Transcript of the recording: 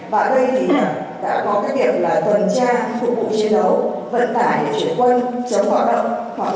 và đây thì đã có cái điểm là tuần tra phục vụ chiến đấu vận tải chuyển quân chống hỏa động hoặc là nghĩa vụ sở chỉ huy di động trên không